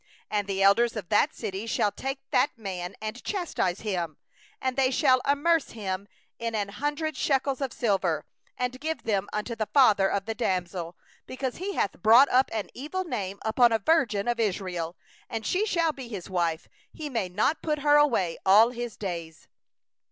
18And the elders of that city shall take the man and chastise him. 19And they shall fine him a hundred shekels of silver, and give them unto the father of the damsel, because he hath brought up an evil name upon a virgin of Israel; and she shall be his wife; he may not put her away all his days.